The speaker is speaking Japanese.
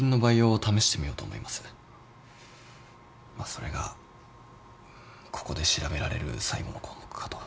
それがここで調べられる最後の項目かと。